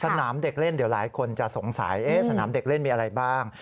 สนามเด็กเล่นเดี๋ยวหลายคนจะสงสัยสนามเด็กเล่นมีอะไรบ้าง